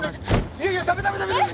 いやいやダメダメダメダメ！